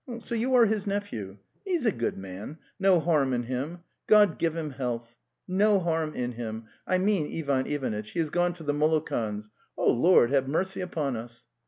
... So youare hisnephew? He is a good man; no harm in him. ... God give him health, 3: . Nocharm jin hinw.)) Oil emeantlven Ivanitch. ... He has gone to the Molokans'. ... O Lord, have mercy upon us!"